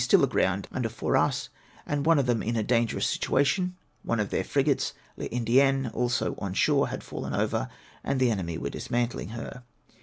still aground under Foiiras, and one of them in a dangerous situation; one of tlieir frigates {L'Tiidienne), also on sliore, had fixUen over, and the enemy were dismantling her.